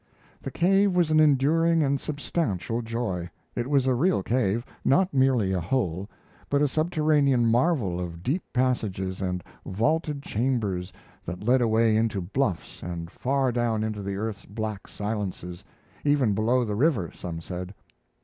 The cave was an enduring and substantial joy. It was a real cave, not merely a hole, but a subterranean marvel of deep passages and vaulted chambers that led away into bluffs and far down into the earth's black silences, even below the river, some said.